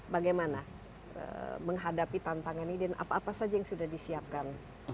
bagaimana menghadapi tantangan ini dan apa apa saja yang sudah disiapkan